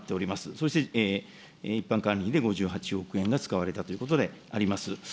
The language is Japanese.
そして一般管理費で５８億円が使われたということであります。